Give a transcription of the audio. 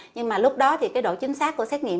nhưng mà lúc đó thì cái độ chính xác của xét nghiệm